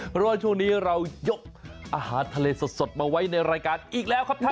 เพราะว่าช่วงนี้เรายกอาหารทะเลสดมาไว้ในรายการอีกแล้วครับท่าน